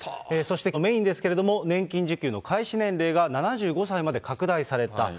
そしてきょうのメインですけれども、年金受給の開始年齢が７５歳まで拡大された。